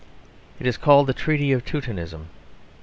It is called the Treaty of Teutonism.